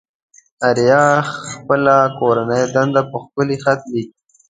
آريا خپله کورنۍ دنده په ښکلي خط ليكي.